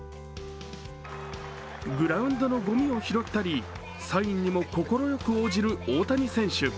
グラウンドのごみを拾ったり、サインにも快く応じる大谷選手。